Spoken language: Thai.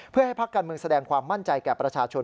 เพื่อให้พักการเมืองแสดงความมั่นใจแก่ประชาชน